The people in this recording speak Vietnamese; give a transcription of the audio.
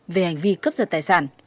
về hành vi cấp giật tài sản